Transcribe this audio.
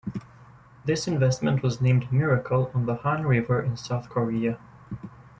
This investment was named Miracle on the Han River in South Korea.